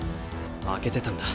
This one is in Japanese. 空けてたんだ。